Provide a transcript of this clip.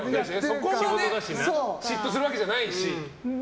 そこまで嫉妬するわけじゃないし。